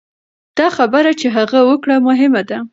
دا خبره چې هغه وکړه مهمه ده.